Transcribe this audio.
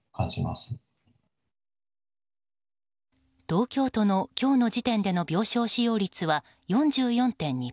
東京都の今日の時点での病床使用率は４４．２％。